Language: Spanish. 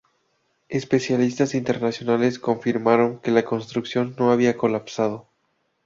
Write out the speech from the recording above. Especialistas internacionales confirmaron que la construcción no había colapsado.